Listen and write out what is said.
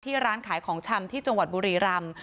ร้านขายของชำที่จังหวัดบุรีรำ